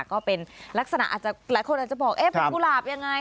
ก็เป็นลักษณะอาจจะหลายคนอาจจะบอกเอ๊ะเป็นกุหลาบยังไง